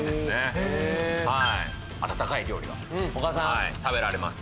へえーはい温かい料理が食べられます